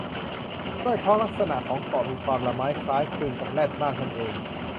ด้วยเพราะลักษณะของเกาะมีความละม้ายคล้ายคลึงกับแรดมากนั่นเอง